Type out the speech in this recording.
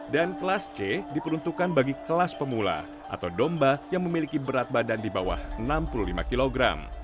dan kelas c diperuntukkan bagi kelas pemula atau domba yang memiliki berat badan di bawah enam puluh lima kg